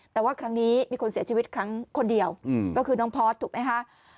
แต่ว่าครั้งนี้มีคนเสียชีวิตครั้งคนเดียวก็คือน้องพอร์สถูกไหมคะ